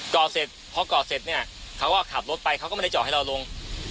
กรอบเสร็จเพราะกรอบเสร็จเขาก็ขับรถไปเขาก็ไม่ได้จอดให้เราลง